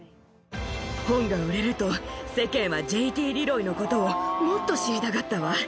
本が売れると、世間はＪＴリロイのことをもっと知りたがったわ。